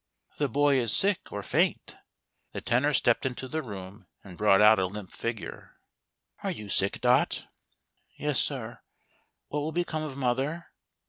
" The boy is sick or faint." The Tenor stepped into the room and brought out a limp figure. " Are you sick, Dot ?" "Yes, sir; what will become of mother?"